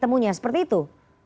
temunya seperti itu